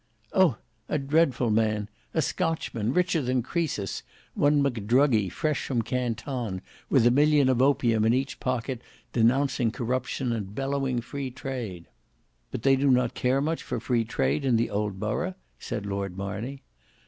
"Oh! a dreadful man! A Scotchman, richer than Croesus, one McDruggy, fresh from Canton, with a million of opium in each pocket, denouncing corruption, and bellowing free trade." "But they do not care much for free trade in the old borough?" said Lord Marney.